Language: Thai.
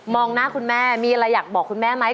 หน้าคุณแม่มีอะไรอยากบอกคุณแม่ไหม